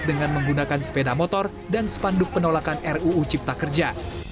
dengan menggunakan sepeda motor dan spanduk penolakan ruu cipta kerja